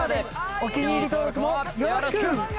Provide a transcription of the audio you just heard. お気に入り登録もよろしく！